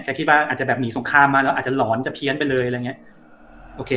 คิดว่าอาจจะแบบหนีสงครามมาแล้วอาจจะหลอนจะเพี้ยนไปเลยอะไรอย่างเงี้ยโอเค